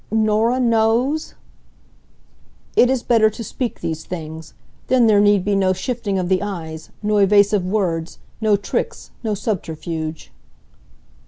"Norah knows!" "It is better to speak these things. Then there need be no shifting of the eyes, no evasive words, no tricks, no subterfuge."